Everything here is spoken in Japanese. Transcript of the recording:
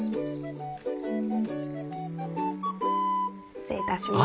失礼いたします。